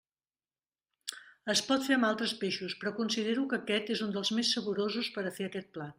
Es pot fer amb altres peixos, però considero que aquest és un dels més saborosos per a fer aquest plat.